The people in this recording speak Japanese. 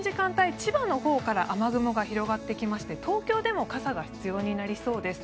千葉のほうから雨雲が広がってきまして東京でも傘が必要になりそうです。